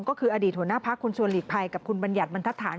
ก็คืออดีตหัวหน้าพักคุณชวนหลีกภัยกับคุณบัญญัติบรรทัศน